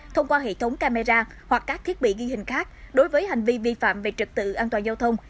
thông qua hệ thống camera hoặc các thiết bị ghi hình khác đối với hành vi vi phạm về trực tự an toàn giao thông